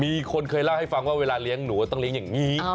มีคนเคยเล่าให้ฟังว่าเวลาเลี้ยงหนูต้องเลี้ยงอย่างนี้